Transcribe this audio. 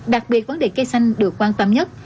đặc biệt vấn đề cây xanh được quan tâm nhất